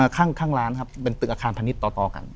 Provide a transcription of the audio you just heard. ข้างร้านครับเป็นตึกอาคารพาณิชย์ต่อกัน